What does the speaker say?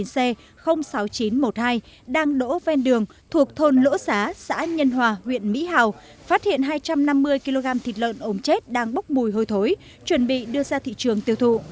xe sáu nghìn chín trăm một mươi hai đang đổ ven đường thuộc thôn lỗ giá xã nhân hòa huyện mỹ hào phát hiện hai trăm năm mươi kg thịt lợn ốm chết đang bốc mùi hôi thối chuẩn bị đưa ra thị trường tiêu thụ